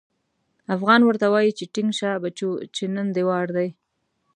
افغان ورته وايي چې ټينګ شه بچو چې نن دې وار دی.